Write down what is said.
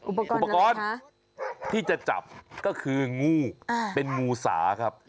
อุปกรณ์ที่จะจับก็คืองูเป็นงูสาครับ